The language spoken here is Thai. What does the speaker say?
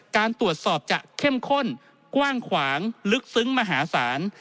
การตรวจสอบจะเข้มข้นกว้างขวางลึกซึ้งมหาศาล